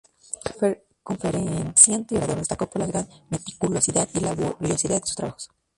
Conferenciante y orador, destacó por la gran meticulosidad y laboriosidad de sus trabajos.